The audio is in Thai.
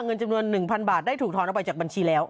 เงินจำนวน๑๐๐บาทได้ถูกถอนออกไปจากบัญชีแล้ว